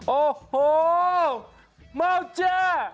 โอ้โหเมาเจ่